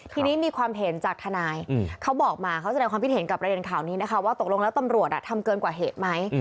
ทีนี้มีความเห็นจากทนายเขาบอกมาเขาแสดงความคิดเห็นกับประเด็นข่าวนี้นะคะว่าตกลงแล้วตำรวจทำเกินกว่าเหตุไหม